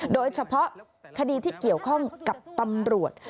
โดยเฉพาะคดีที่เกี่ยวข้องกับตำรวจ